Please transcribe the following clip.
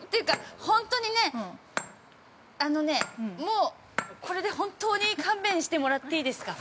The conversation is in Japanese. ◆ほんとにね、あのね、もうこれで本当に勘弁してもらっていいですか。